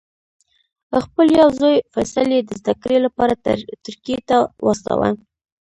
خپل یو زوی فیصل یې د زده کړې لپاره ترکیې ته واستاوه.